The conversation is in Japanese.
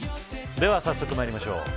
早速まいりましょう。